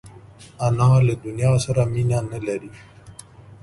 انا له دنیا سره مینه نه لري